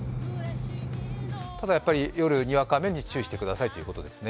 ただやっぱり夜にわか雨に注意してくださいということですね。